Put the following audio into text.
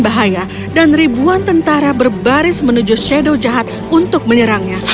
bahaya dan ribuan tentara berbaris menuju shadow jahat untuk menyerangnya